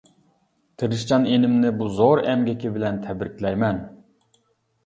تىرىشچان ئىنىمنى بۇ زور ئەمگىكى بىلەن تەبرىكلەيمەن.